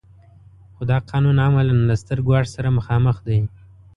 خو دا قانون عملاً له ستر ګواښ سره مخامخ دی.